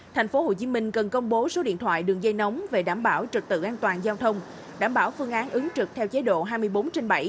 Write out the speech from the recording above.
thành phố hồ chí minh cần công bố số điện thoại đường dây nóng về đảm bảo trực tự an toàn giao thông đảm bảo phương án ứng trực theo chế độ hai mươi bốn trên bảy